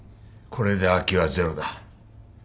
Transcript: これで空きはゼロだ。